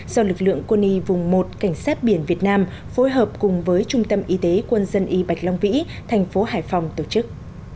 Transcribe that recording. do lực lượng quân y vùng một cảnh sát biển việt nam phối hợp cùng với trung tâm y tế quân dân y bạch long vĩ thành phố hải phòng tổ chức